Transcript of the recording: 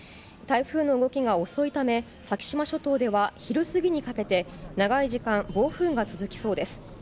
台風の動きが遅いため、先島諸島では昼過ぎにかけて、長い時間、暴風雨が続きそうです。